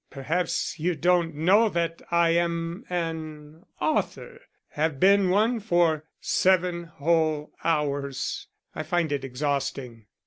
Perhaps you don't know that I am an author have been one for seven whole hours. I find it exhausting.